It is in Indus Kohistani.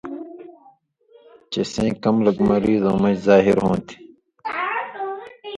چے سَیں کم لکھ مریضؤں مژ ظاہر ہوں تھی۔